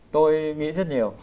tôi nghĩ rất nhiều